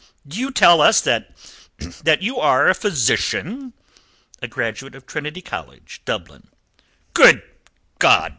Do you tell us that you are a physician?" "A graduate of Trinity College, Dublin." "Good God!"